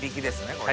これ。